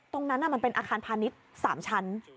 ตรงนั้นมันเป็นอาคารพาณิชย์๓ชั้น